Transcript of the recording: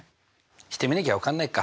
してみなきゃ分かんないか。